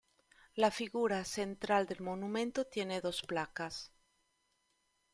La figura central del monumento tiene dos placas.